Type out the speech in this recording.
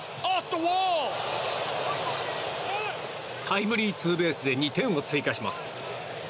タイムリーツーベースで２点を追加します。